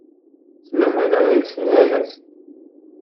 Ttmahaleɣ yid-sen yal ass.